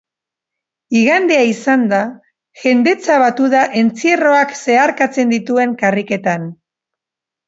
Igandea izanda, jendetza batu da entzierroak zeharkatzen dituen karriketan.